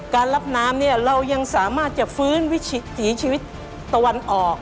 รับน้ำเนี่ยเรายังสามารถจะฟื้นวิถีชีวิตตะวันออก